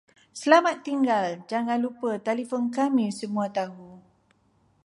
Selamat tinggal jangan lupa telefon kami semua tahu